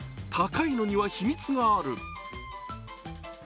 高いのには、秘密がある。